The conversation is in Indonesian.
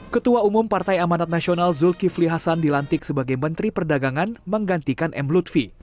ketua umum partai amanat nasional zulkifli hasan dilantik sebagai menteri perdagangan menggantikan m lutfi